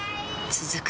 続く